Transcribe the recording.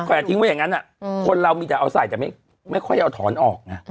ก็อย่าทิ้งไว้อย่างงั้นอ่ะอืมคนเรามีแต่เอาใส่แต่ไม่ค่อยเอาถอนออกอ่ะ